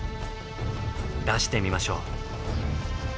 出してみましょう。